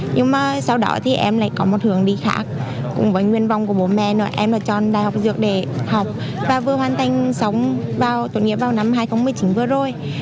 nhưng mà sau đó thì em lại có một hướng đi khác cũng với nguyên vong của bố mẹ nữa em đã chọn đại học dược để học và vừa hoàn thành sống vào tổ nghiệp vào năm hai nghìn một mươi chín vừa rồi